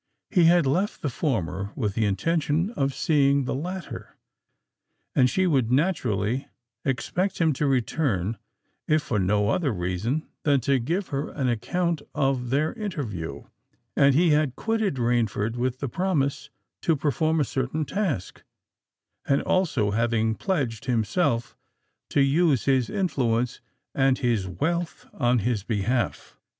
He had left the former with the intention of seeing the latter, and she would naturally expect him to return if for no other reason than to give her an account of their interview; and he had quitted Rainford with the promise to perform a certain task, and also having pledged himself to use his influence and his wealth in his behalf.